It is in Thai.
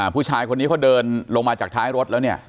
ผู้ชายคนนี้เขาเดินลงมาจากท้ายรถแล้ว